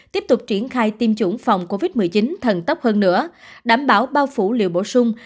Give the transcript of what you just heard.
tiếp tục triển khai tiêm chủng phòng covid một mươi chín thần tốc hơn nữa đảm bảo bao phủ liệu bổ sung